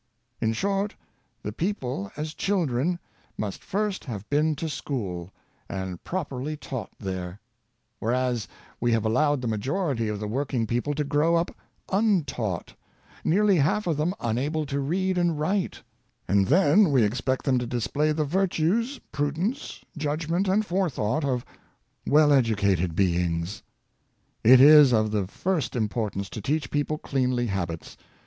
In short, the people, as 4 50 Worship in Washing. children, must first have been to school, and properly taught there; whereas we have allowed the majority of the working people to grow up untaught, nearly half of them unable to read and write; and then we expect them to display the virtues, prudence, judgment, and forethought of well educated beings. It is of the first importance to teach people cleanly habits.